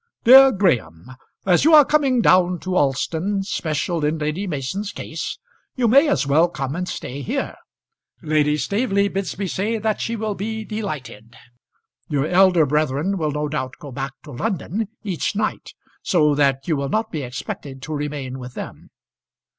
DEAR GRAHAM, As you are coming down to Alston, special in Lady Mason's case, you may as well come and stay here. Lady Staveley bids me say that she will be delighted. Your elder brethren will no doubt go back to London each night, so that you will not be expected to remain with them.